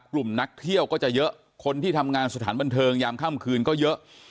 กลุ่มนักเที่ยวก็จะเยอะคนที่ทำงานสถานบันเทิงยามค่ำคืนก็เยอะ